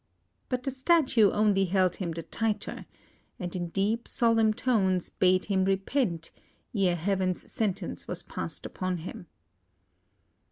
But the Statue only held him the tighter, and in deep, solemn tones, bade him repent, ere Heaven's sentence was passed upon him.